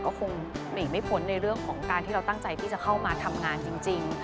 ก็คงหนีไม่พ้นในเรื่องของการที่เราตั้งใจที่จะเข้ามาทำงานจริง